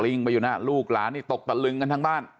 ไปอยู่นะลูกหลานนี่ตกตะลึงกันทั้งบ้าน